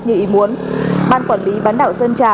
như ý muốn ban quản lý bán đảo sơn trà